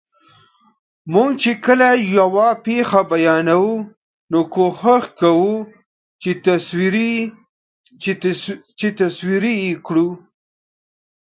موږ چې کله یوه پېښه بیانوو، نو کوښښ کوو چې تصویري یې کړو.